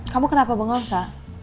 kamu kenapa bangsa